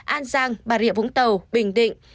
an giang bà rịa vũng tàu bình định